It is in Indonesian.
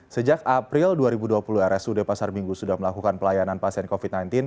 sejak april dua ribu dua puluh rsud pasar minggu sudah melakukan pelayanan pasien covid sembilan belas